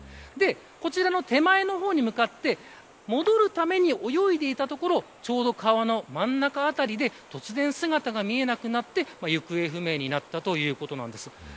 こちらの手前の方に向かって戻るために泳いでいたところちょうど川の真ん中辺りで突然姿が見えなくなって行方不明になったということです。